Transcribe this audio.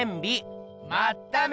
まっため。